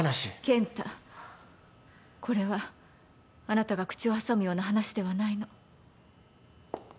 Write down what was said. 健太これはあなたが口を挟むような話ではないの。